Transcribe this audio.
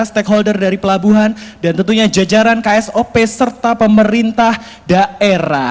stakeholder dari pelabuhan dan tentunya jajaran ksop serta pemerintah daerah